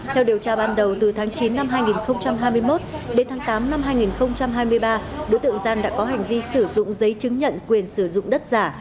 theo điều tra ban đầu từ tháng chín năm hai nghìn hai mươi một đến tháng tám năm hai nghìn hai mươi ba đối tượng giang đã có hành vi sử dụng giấy chứng nhận quyền sử dụng đất giả